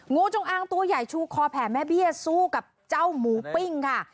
งูจงอางตัวใหญ่ชูคอแผ่แม่เบี้ยสู้กับเจ้าหมูปิ้งค่ะ